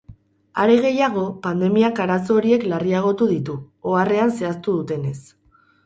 Are gehiago, pandemiak arazo horiek larriagotu ditu, oharrean zehaztu dutenez.